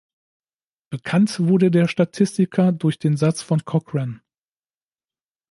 Bekannt wurde der Statistiker durch den Satz von Cochran.